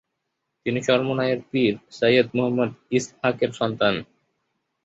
তিনি চরমোনাই-এর পীর সাইয়েদ মুহাম্মদ ইসহাকের সন্তান।